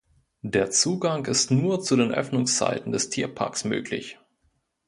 Der Zugang ist nur zu den Öffnungszeiten des Tierparks möglich.